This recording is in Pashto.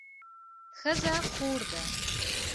ښځه خور ده